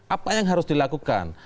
apa yang harus dilakukan